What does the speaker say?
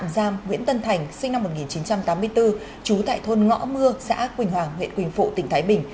giam nguyễn tân thành sinh năm một nghìn chín trăm tám mươi bốn trú tại thôn ngõ mưa xã quỳnh hòa huyện quỳnh phụ tỉnh thái bình